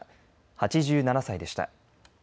８７歳でした。